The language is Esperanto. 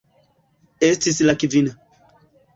Estis la kvina.